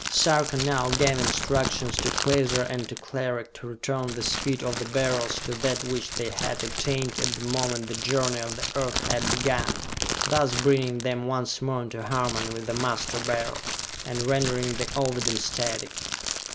Sarka now gave instructions to Klaser and to Cleric to return the speed of the Beryls to that which they had attained at the moment the journey of the Earth had begun thus bringing them once more into harmony with the Master Beryl, and rendering the Ovidum static.